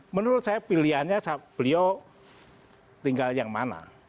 menurut saya pilihannya beliau tinggal yang mana